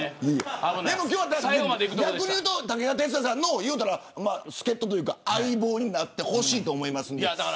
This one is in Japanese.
今日は逆にいうと武田鉄矢さんの助っ人というか相棒になってほしいと思いますので。